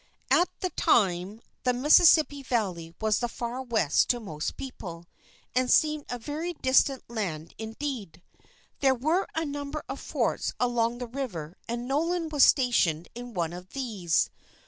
At that time the Mississippi valley was the Far West to most people, and seemed a very distant land indeed. There were a number of forts along the river and Nolan was stationed in one of these.